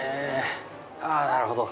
ああなるほど。